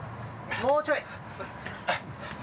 もうちょい！